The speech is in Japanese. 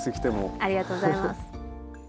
ありがとうございます。